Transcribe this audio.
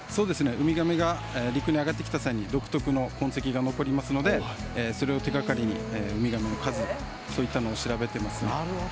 ウミガメが陸に上がってきた際に独特の痕跡が残りますのでそれを手がかりにウミガメの数そういったのを調べてますね。